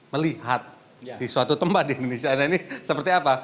melihat di suatu tempat di indonesia ini seperti apa